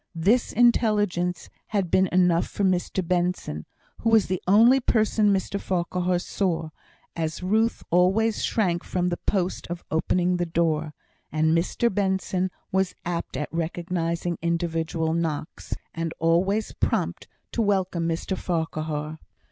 This intelligence had been enough for Mr Benson, who was the only person Mr Farquhar saw; as Ruth always shrank from the post of opening the door, and Mr Benson was apt at recognising individual knocks, and always prompt to welcome Mr Farquhar.